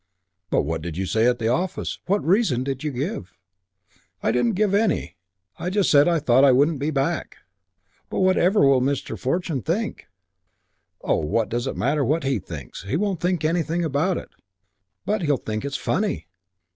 "But what did you say at the office? What reason did you give?" "Didn't give any. I just said I thought I wouldn't be back." "But whatever will Mr. Fortune think?" "Oh, what does it matter what he thinks? He won't think anything about it." "But he'll think it's funny."